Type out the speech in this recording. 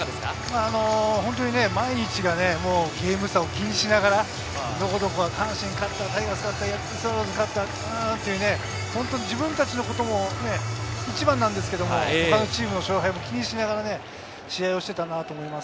毎日がゲーム差を気にしながら、阪神が勝ったり、ヤクルトが勝ったり、自分たちのことも一番ですけれど、他のチームの勝敗も気にしながら試合をしていたと思います。